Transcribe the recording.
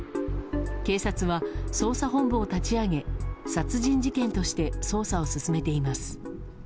警察は捜査本部を立ち上げ殺人事件として捜査を進めています。